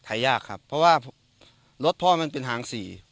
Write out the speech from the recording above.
ยากครับเพราะว่ารถพ่อมันเป็นทางสี่